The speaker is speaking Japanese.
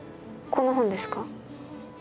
この本ですか？